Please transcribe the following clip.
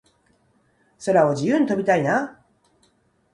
空を自由に飛びたいな